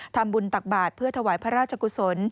ตักบาทเพื่อถวายพระราชกุศล